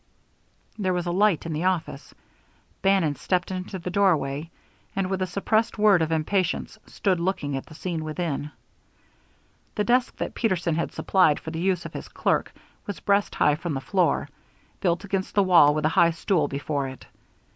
There was a light in the office. Bannon stepped into the doorway, and, with a suppressed word of impatience, stood looking at the scene within. The desk that Peterson had supplied for the use of his clerk was breast high from the floor, built against the wall, with a high stool before it.